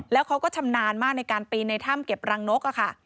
แล้วเขาก็ชำนาญมากในการปีนในถ้ำเก็บรังนกค่ะ